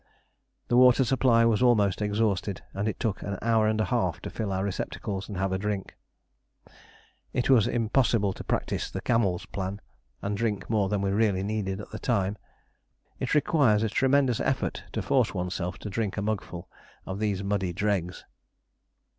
The water supply was almost exhausted, and it took an hour and a half to fill our receptacles and have a drink. It was impossible to practise the camel's plan, and drink more than we really needed at the time. It required a tremendous effort to force oneself to drink a mugful of these muddy dregs.